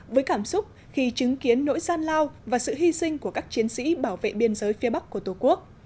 với cảm xúc khi chứng kiến nỗi gian lao và sự hy sinh của các chiến sĩ bảo vệ biên giới phía bắc của tổ quốc